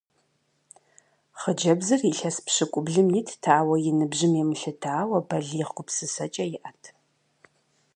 Хъыджэбзыр илъэс пщыкӀублым итт, ауэ, и ныбжьым емылъытауэ, балигъ гупсысэкӀэ иӀэт.